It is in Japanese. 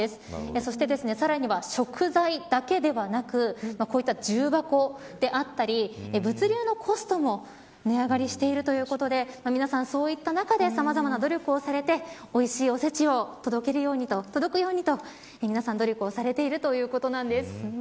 そしてさらには食材だけではなくこういった重箱であったり物流のコストも値上がりしているということで皆さん、そういった中でさまざまな努力をされておいしいおせちを届けるようにと皆さん努力されているということなんです。